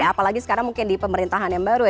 apalagi sekarang mungkin di pemerintahan yang baru ya